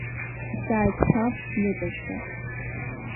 Дҵааит саб зныкыршәа.